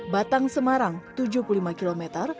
batang semarang tujuh puluh lima km